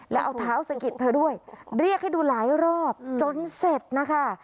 แล้วเอาเท้าสะกิดเธอด้วยเรียกให้ดูหลายรอบจนเสร็จนะคะ